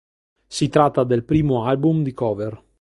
Si tratta del primo album di cover.